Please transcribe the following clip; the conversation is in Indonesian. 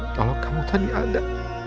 kalau kamu tadi ada